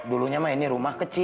dulunya mah ini rumah kecil